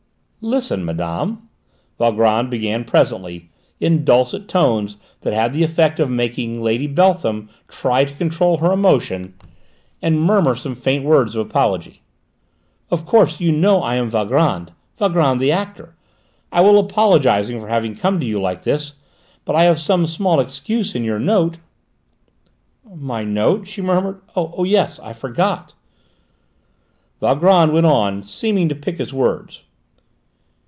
"Listen, madame," Valgrand began presently, in dulcet tones that had the effect of making Lady Beltham try to control her emotion and murmur some faint words of apology. "Of course you know I am Valgrand, Valgrand the actor; I will apologise for having come to you like this, but I have some small excuse in your note!" "My note?" she murmured. "Oh, yes; I forgot!" Valgrand went on, seeming to pick his words.